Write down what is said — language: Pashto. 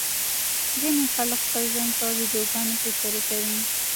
ځینې خلک خپل ژوند په ویډیوګانو کې شریکوي.